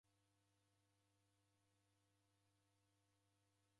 W'andu dizoghuanye naw'o.